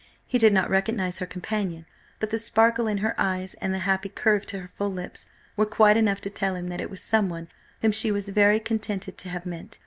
He did not recognise her companion, but the sparkle in her eyes and the happy curve to her full lips were quite enough to tell him that it was someone whom she was very contented to have met.